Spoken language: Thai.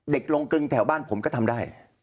ลงกึงแถวบ้านผมก็ทำได้